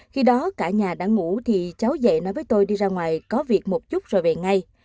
khi đó cả nhà đã ngủ thì cháu dậy nói với tôi đi ra ngoài có việc một chút rồi về ngay